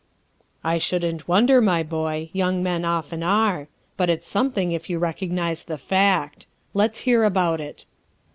" I shouldn't wonder, my boy, young men often are. But it's something if you recognize the fact. Let's hear about it."